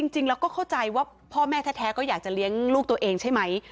จริงเราก็เข้าใจว่าพ่อแม่แท้ก็อยากจะเลี้ยงลูกตัวเองใช่ไหม